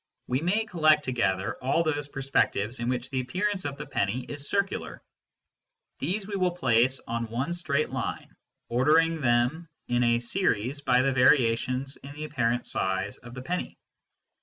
We may collect together all those perspectives in which the appearance of the penny is circular. These we will place on one straight line, ordering them in a series by the variations in the apparent size of the penny.